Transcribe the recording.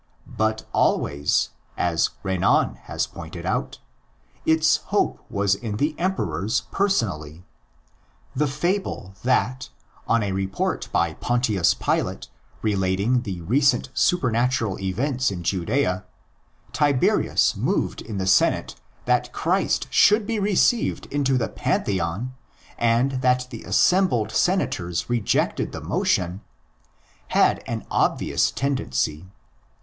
But always, as Renan has pointed out, its hope was in the Emperors personally. The fable that, on a report by Pontius Pilate relating the recent supernatural events in Judea, Tiberius moved in the Senate that Christ should be received into the pantheon, and that the assembled Senators rejected the motion, had an obvious "' tendency."